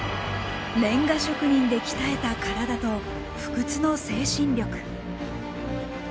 レンガ職人で鍛えた体と不屈の精神力。